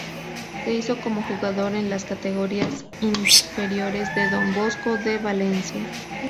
Se hizo como jugador en las categorías inferiores del Don Bosco de Valencia.